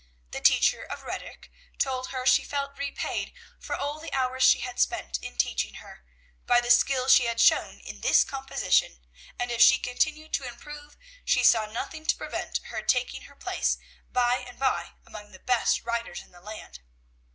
The teacher of rhetoric told her she felt repaid for all the hours she had spent in teaching her, by the skill she had shown in this composition, and if she continued to improve, she saw nothing to prevent her taking her place, by and by, among the best writers in the land.